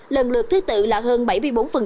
lần lượt thứ tự là hơn bảy mươi bốn và gần tám mươi hai